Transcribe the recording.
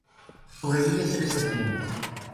Sobrevive en tres versiones.